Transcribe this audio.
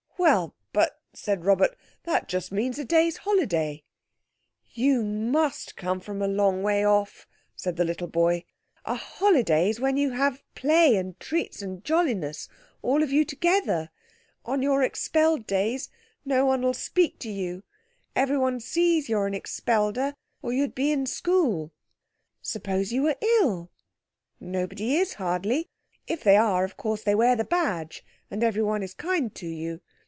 "Well, but," said Robert, "that just means a day's holiday." "You must come from a long way off," said the little boy. "A holiday's when you all have play and treats and jolliness, all of you together. On your expelled days no one'll speak to you. Everyone sees you're an Expelleder or you'd be in school." "Suppose you were ill?" "Nobody is—hardly. If they are, of course they wear the badge, and everyone is kind to you.